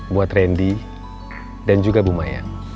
buat randy dan juga bu mayang